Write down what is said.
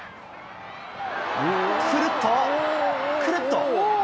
くるっと、くるっと。